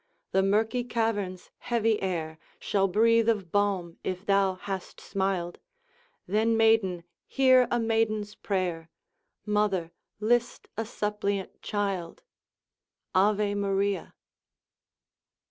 The murky cavern's heavy air Shall breathe of balm if thou hast smiled; Then, Maiden! hear a maiden's prayer, Mother, list a suppliant child! Ave Maria!